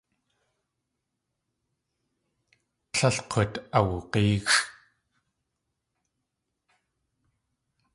Tlél k̲ut awug̲éexʼ.